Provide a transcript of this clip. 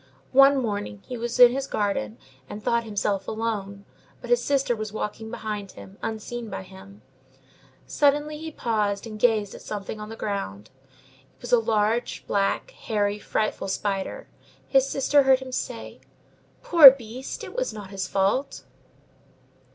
One morning he was in his garden, and thought himself alone, but his sister was walking behind him, unseen by him: suddenly he paused and gazed at something on the ground; it was a large, black, hairy, frightful spider. His sister heard him say:— "Poor beast! It is not its fault!"